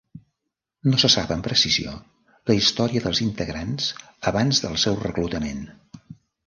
No se sap amb precisió la història dels integrants abans del seu reclutament.